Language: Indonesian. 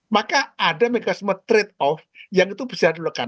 maka ada mekanisme trade off yang itu bisa dilakukan